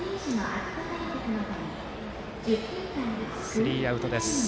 スリーアウトです。